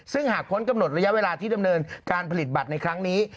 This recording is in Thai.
ซึ่งหากพ้นกำหนดระยะเวลาที่ดำเนินการผลิตบัตรในครั้งนี้